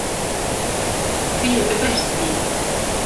Tu yê bibersivînî.